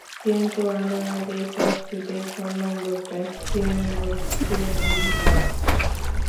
কিন্তু আনার আগেই ট্যাক্সিতে ফোন নম্বর, ট্যাক্সি নম্বর বসিয়ে নেন তাঁরা।